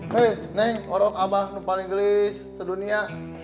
hei neng orang abah paling gelis di dunia